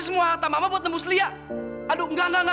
tadi apabila dia sampai ke sini